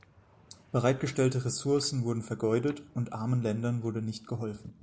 Bereitgestellte Ressourcen wurden vergeudet und armen Ländern wurde nicht geholfen.